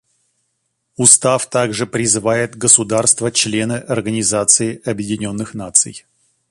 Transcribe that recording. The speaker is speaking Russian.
Устав также призывает государства-члены Организации Объединенных Наций.